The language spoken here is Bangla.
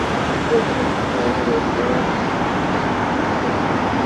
নগরের সদর রোডে বিবির পুকুর পাড়ে মানববন্ধন করেন বরিশাল গণনাট্য সংস্থার সদস্যরা।